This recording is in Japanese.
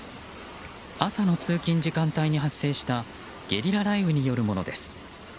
朝の通勤時間帯に発生したゲリラ雷雨によるものです。